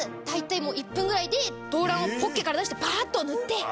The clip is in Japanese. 大体１分ぐらいでドーランをポッケから出してバーッと塗って。